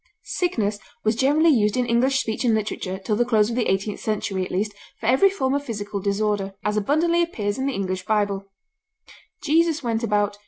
Sickness was generally used in English speech and literature, till the close of the eighteenth century at least, for every form of physical disorder, as abundantly appears in the English Bible: "Jesus went about